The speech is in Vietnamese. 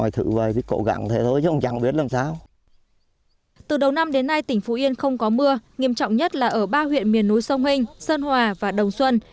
từ đầu năm đến nay tỉnh phú yên không có mưa nghiêm trọng nhất là ở ba huyện miền núi sông hình sơn hòa và đồng xuân